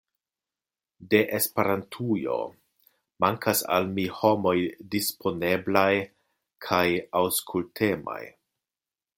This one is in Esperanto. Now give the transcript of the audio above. De Esperantujo, mankas al mi homoj disponeblaj kaj aŭskultemaj.